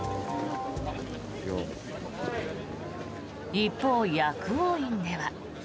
一方、薬王院では。